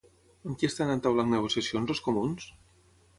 Amb qui estan entaulant negociacions els comuns?